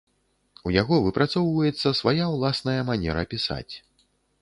У яго выпрацоўваецца свая ўласная манера пісаць.